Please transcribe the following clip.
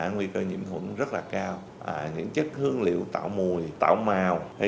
nguy cơ nhiễm thuẫn rất là cao những chất hương liệu tạo mùi tạo màu